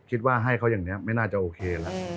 คิดว่าให้เขาอย่างนี้ไม่น่าจะโอเคแล้ว